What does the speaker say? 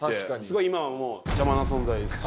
すごい今はもう邪魔な存在です。